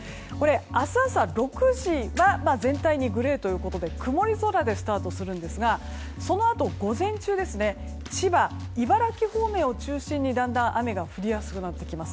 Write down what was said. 明日朝６時が全体にグレーということで曇り空でスタートするんですがそのあと、午前中千葉、茨城方面を中心にだんだん雨が降りやすくなってきます。